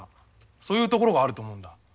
そういうところがあると思うんだ。